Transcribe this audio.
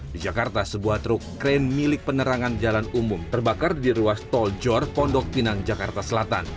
di jakarta sebuah truk krem milik penerangan jalan umum terbakar di ruas tol jor pondok tinang jakarta selatan